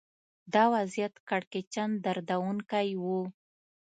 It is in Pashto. دا وضعیت کړکېچن دردونکی و